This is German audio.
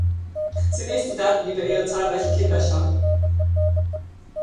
Zunächst die Daten über ihre zahlreiche Kinderschar.